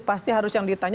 pasti yang harus ditanya